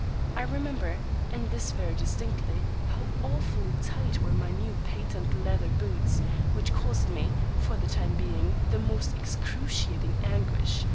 I remember, and this very distinctly, how awfully tight were my new patent leather boots, which caused me for the time being the most excruciating anguish.